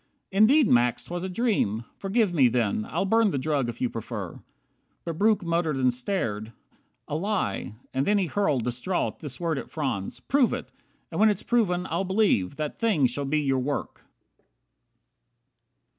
Indeed, Max, 'twas a dream. Forgive me then. I'll burn the drug if you prefer." But Breuck Muttered and stared, "A lie." And then he hurled, Distraught, this word at Franz: "Prove it. And when It's proven, I'll believe. That thing shall be your work.